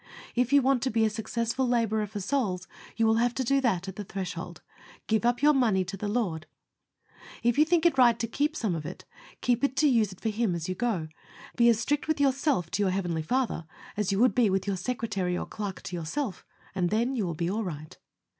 If you want to be a successful laborer for souls, you will have to do that at the threshhold. Give up your money to the Lord. If you think it right to keep some of it, keep it to use it for Him as you go; and be as strict with yourself, to your Heavenly Father, as you would be with your secretary or clerk to yourself, and then you will be all right.